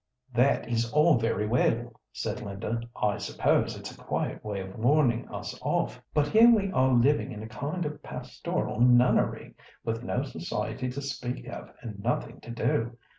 "That is all very well," said Linda; "I suppose it's a quiet way of warning us off. But here we are living in a kind of pastoral nunnery, with no society to speak of, and nothing to do.